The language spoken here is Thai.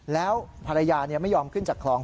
แล้วภรรยาไม่ยอมขึ้นจากคลอง